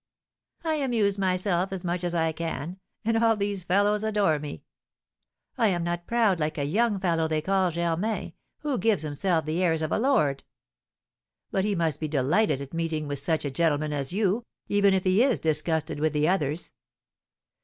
"I amuse myself as much as I can, and all these fellows adore me. I am not proud like a young fellow they call Germain, who gives himself the airs of a lord." "But he must be delighted at meeting with such a gentleman as you, even if he is disgusted with the others."